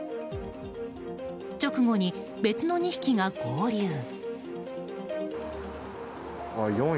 直後に、別の２匹が合流。